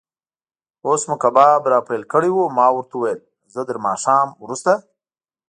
اوس مو کباب را پیل کړی و، ما ورته وویل: زه تر ماښام وروسته.